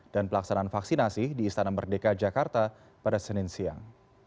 dan pelaksanaan vaksinasi di istana merdeka jakarta pada senin siang